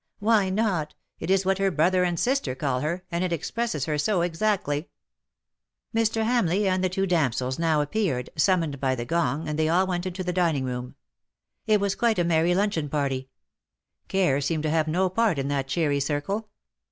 '''" Why not ; it is what her brother and sister call her^ and it expresses her so exactly .'' Mr. Hamleigh and the two damsels now ap peared, summoned by the gong, and they all went into the dining room. It was quite a merry lun cheon party. Care seemed to have no part in that cheery circle.